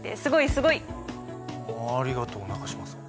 すごい！ありがとう中島さん。